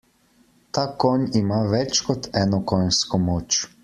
Ta konj ima več kot eno konjsko moč.